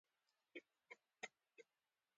بیرته کابل ته ستون شو.